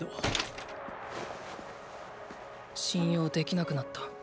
信用できなくなった。